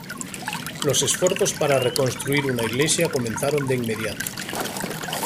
Los esfuerzos para reconstruir una iglesia comenzaron de inmediato.